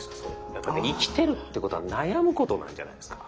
やっぱり生きているってことは悩むことなんじゃないですか。